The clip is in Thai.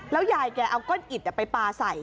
แล้วยายแก๊เอาก้นอิ๊ดแอะไปปลาใส่